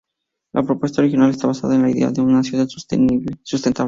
La propuesta original está basada en la idea de una ciudad sustentable.